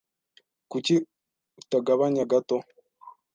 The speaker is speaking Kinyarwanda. Kuki utagabanya gato?